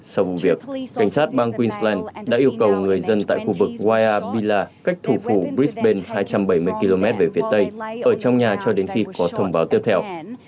sau vụ việc cảnh sát bang queensland đã yêu cầu người dân tại khu vực iaea bila cách thủ phủ brisbank hai trăm bảy mươi km về phía tây ở trong nhà cho đến khi có thông báo tiếp theo